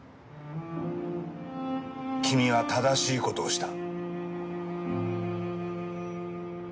君は正しい事をした。